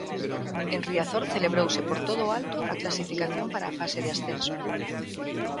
En Riazor celebrouse por todo o alto a clasificación para a fase de ascenso.